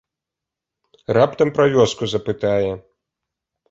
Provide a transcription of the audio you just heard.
Раптам пра вёску запытае.